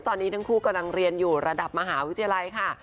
ตอนนี้ทั้งคู่กำลังเรียนอยู่ระดับมหาวิทยาลัยค่ะ